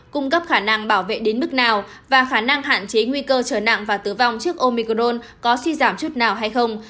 cung cấp khả năng bảo vệ đến mức nào và khả năng hạn chế nguy cơ trở nặng và tử vong trước omicron có suy giảm chút nào hay không